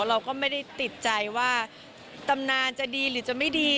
เราก็ไม่ได้ติดใจว่าตำนานจะดีหรือจะไม่ดี